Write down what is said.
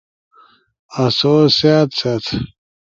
آسو سأت، سیات